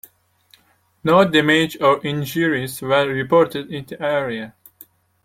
No damage or injuries were reported in the area.